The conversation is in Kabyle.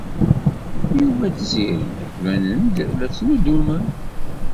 Yuba d Tiziri banen-d la ttnuddumen.